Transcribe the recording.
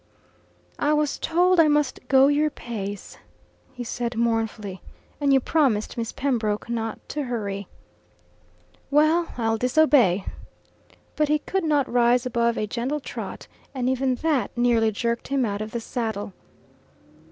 "I was told I must go your pace," he said mournfully. "And you promised Miss Pembroke not to hurry." "Well, I'll disobey." But he could not rise above a gentle trot, and even that nearly jerked him out of the saddle.